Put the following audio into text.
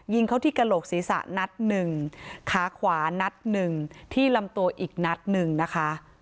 เข้าที่กระโหลกศีรษะนัดหนึ่งขาขวานัดหนึ่งที่ลำตัวอีกนัดหนึ่งนะคะ